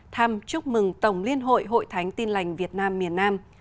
thăm chúc mừng tổng liên hội hội thánh tin lành việt nam miền nam